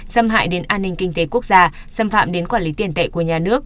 xâm hại đến an ninh kinh tế quốc gia xâm phạm đến quản lý tiền tệ của nhà nước